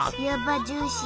ジューシー！